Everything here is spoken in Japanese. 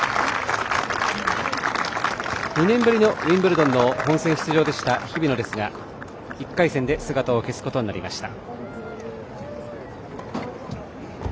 ２年ぶりのウィンブルドンの本戦出場でした日比野ですが、１回戦で姿を消すことになりました。